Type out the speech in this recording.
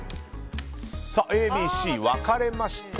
Ａ、Ｂ、Ｃ分かれました。